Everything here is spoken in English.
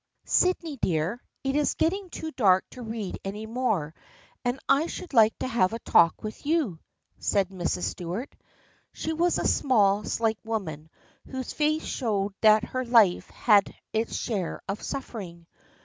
" Sydney dear, it is getting too dark to read any more, and I should like to have a talk with you," said Mrs. Stuart. She was a small slight woman, whose face showed that her life had had its share of suffering.